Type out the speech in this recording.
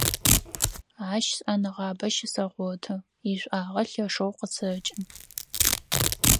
Ащ шӀэныгъабэ щысэгъоты, ишӀуагъэ лъэшэу къысэкӀы.